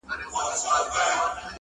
• کيسه د عبرت بڼه اخلي تل..